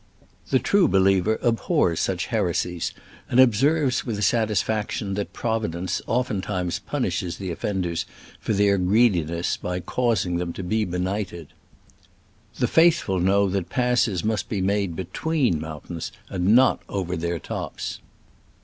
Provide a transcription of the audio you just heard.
The true be liever abhors such heresies, and observes with satisfaction that Providence often times punishes the offenders for their greediness by causing them to be be nighted. The faithful know that passes must be made between mountains, and not over their tops.